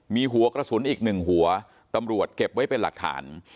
มีหัวกระสุนอีกหนึ่งหัวตำรวจเก็บไว้เป็นหลักฐาน